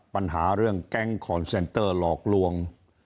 ปัญหาเรื่องแก๊งคอนเซนเตอร์หลอกลวง